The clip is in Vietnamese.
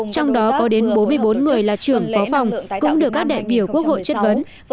trong đó có đến bốn mươi bốn người là trưởng phó phòng cũng được các đại biểu quốc hội chất vấn